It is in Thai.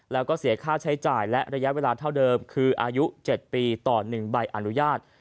แล้วก็เสียค่าใช้จ่ายและระยะเวลาเท่าเดิมคืออายุ๗ปีต่อ๑ใบอนุญาต